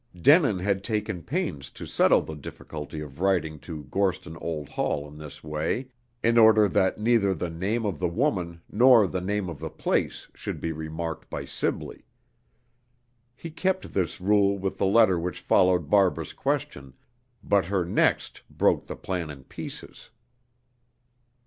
Denin had taken pains to settle the difficulty of writing to Gorston Old Hall in this way, in order that neither the name of the woman nor the name of the place should be remarked by Sibley. He kept this rule with the letter which followed Barbara's question, but her next broke the plan in pieces.